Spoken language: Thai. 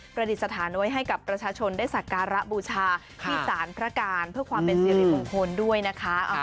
ดิษฐานไว้ให้กับประชาชนได้สักการะบูชาที่สารพระการเพื่อความเป็นสิริมงคลด้วยนะคะ